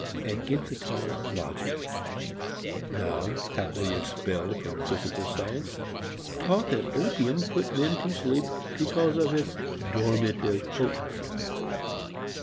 An infantile logic, now happily expelled from physical science, taught that opium put men to sleep because of its dormitive potency.